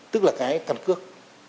tức là cái căn cước